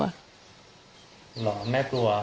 หล่ะแม่กลัว